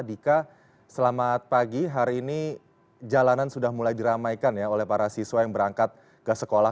dika selamat pagi hari ini jalanan sudah mulai diramaikan ya oleh para siswa yang berangkat ke sekolah